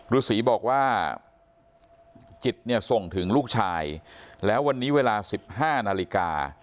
ฤษีบอกว่าจิตเนี่ยส่งถึงลูกชายแล้ววันนี้เวลา๑๕นาฬิกา